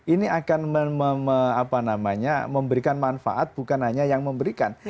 ini akan memberikan manfaat bukan hanya yang memberikan